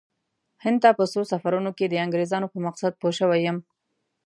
هند ته په څو سفرونو کې د انګریزانو په مقصد پوه شوی یم.